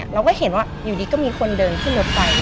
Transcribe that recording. เราก็เห็นว่าอยู่ดีก็มีคนเดินขึ้นรถไป